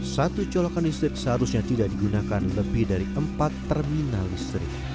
satu colokan listrik seharusnya tidak digunakan lebih dari empat terminal listrik